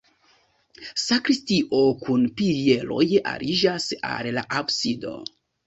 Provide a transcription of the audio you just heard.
Sakristio kun pilieroj aliĝas al la absido.